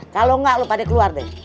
kalo enggak lo pake keluar deh